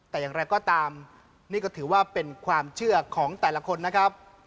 แต่อย่างไรก็ตามนี่ก็ถือว่าเป็นความเชื่อของแต่ละคนนะครับ